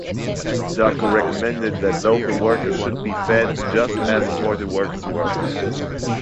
Daco recommended that local workers should be fed just as imported workers were.